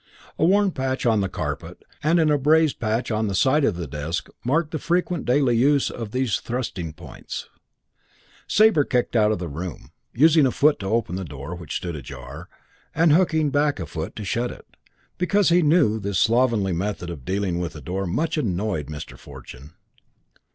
A worn patch on the carpet and an abraised patch on the side of the desk marked the frequent daily use of these thrusting points. Sabre kicked out of the room, using a foot to open the door, which stood ajar, and hooking back a foot to shut it, because he knew that this slovenly method of dealing with a door much annoyed Mr. Fortune.